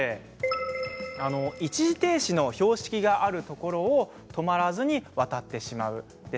一時停止の標識があるところを止まらずに渡ってしまう。